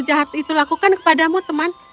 jahat itu lakukan kepadamu teman